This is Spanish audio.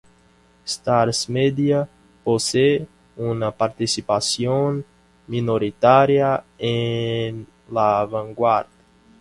Starz Media posee una participación minoritaria en la Vanguard.